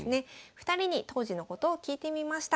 ２人に当時のことを聞いてみました。